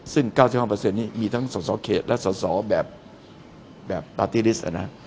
ซึ่ง๙๕เปอร์เซ็นต์นี้มีทั้งสาวเขตและสาวแบบปาร์ตี้ลิสต์